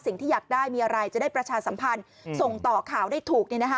สิ่งที่อยากได้มีอะไรจะได้ประชาสัมพันธ์ส่งต่อข่าวได้ถูก